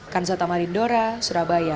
kansel tamarindora surabaya